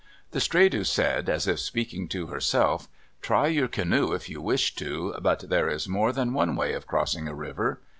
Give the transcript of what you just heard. The Stredu said, as if speaking to herself, "Try your canoe if you wish to, but there is more than one way of crossing a river."